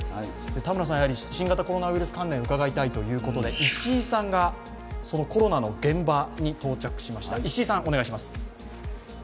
田村さん、新型コロナ関連を伺いたいということで石井さんが、そのコロナの現場に到着しました。